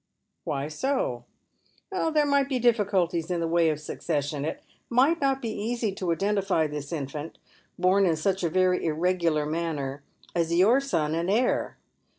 " Why so ?"" There might have been difficulties in the way of succession. It might not be easy to identify this infant — born in such a very irregular manner — as your son and heir.